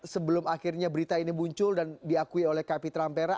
sebelum akhirnya berita ini muncul dan diakui oleh kapitra ampera